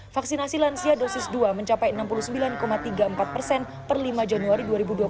vaksinasi lansia dosis dua mencapai enam puluh sembilan tiga puluh empat persen per lima januari dua ribu dua puluh satu